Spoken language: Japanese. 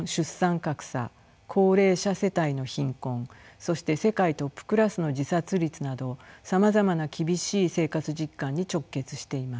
高齢者世帯の貧困そして世界トップクラスの自殺率などさまざまな厳しい生活実感に直結しています。